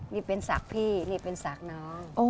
นี่เป็นศักดิ์พี่นี่เป็นสากน้อง